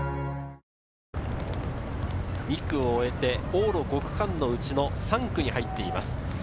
２区を終えて往路５区間のうち３区に入っています。